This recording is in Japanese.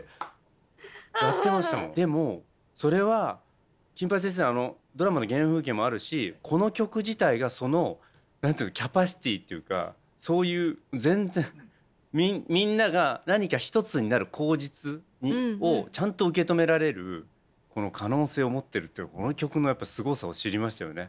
でもそれは「金八先生」のあのドラマの原風景もあるしこの曲自体がそのキャパシティーっていうかそういう全然みんなが何か一つになる口実をちゃんと受け止められる可能性を持ってるっていうこの曲のすごさを知りましたよね。